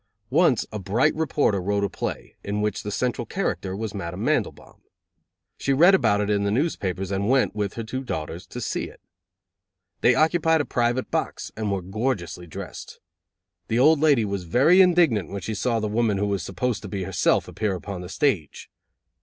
Once a bright reporter wrote a play, in which the central character was Madame Mandelbaum. She read about it in the newspapers and went, with her two daughters, to see it. They occupied a private box, and were gorgeously dressed. The old lady was very indignant when she saw the woman who was supposed to be herself appear on the stage.